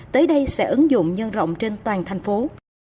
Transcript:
tới đây sẽ ứng dụng nhân rộng trên toàn thành phố